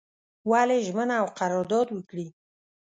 ولي ژمنه او قرارداد وکړي.